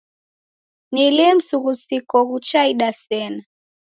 Ni lii msughusiko ghuchaida sena?